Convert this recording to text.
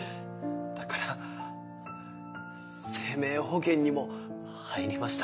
だから生命保険にも入りました。